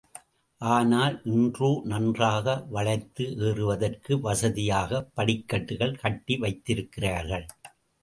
ஆனால் இன்றோ நன்றாக வளைத்து ஏறுவதற்கு வசதியாக படிக்கட்டுகள் கட்டி வைத்திருக்கிறார்கள்.